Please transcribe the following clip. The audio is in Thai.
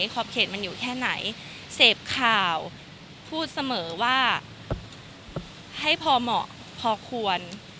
ขอบเขตมันอยู่แค่ไหนเสพข่าวพูดเสมอว่าให้พอเหมาะพอควร